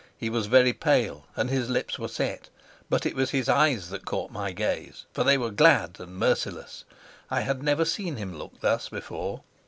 He was very pale and his lips were set, but it was his eyes that caught my gaze, for they were glad and merciless. I had never seen him look thus before.